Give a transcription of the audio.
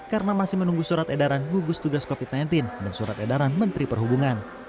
karena masih menunggu surat edaran gugus tugas covid sembilan belas dan surat edaran menteri perhubungan